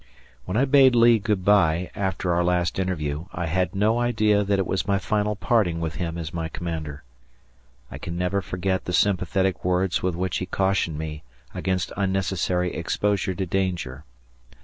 When I bade Lee good by after our last interview, I had no idea that it was my final parting with him as my commander. I can never forget the sympathetic words with which he cautioned me against unnecessary exposure to danger.